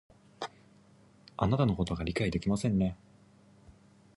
あなたのことを理解ができませんね